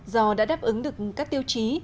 do đã đáp ứng được các tiêu chí